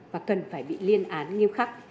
và cần phải bị liên án nghiêm khắc